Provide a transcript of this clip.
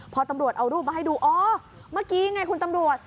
พอตำรวจเอารูปมาให้ดูอ๋อเมื่อกี้ไงคุณตำรวจ